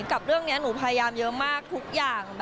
กับเรื่องนี้หนูพยายามเยอะมากทุกอย่าง